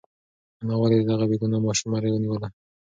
انا ولې د دغه بېګناه ماشوم مرۍ ونیوله؟